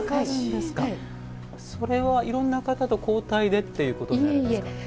それはいろんな方と交代でっていうことですか？